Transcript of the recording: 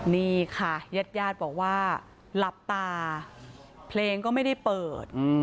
นี่ค่ะญาติญาติบอกว่าหลับตาเพลงก็ไม่ได้เปิด